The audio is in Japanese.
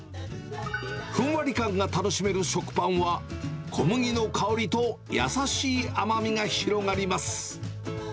ふんわり感が楽しめる食パンは、小麦の香りと、優しい甘みが広がります。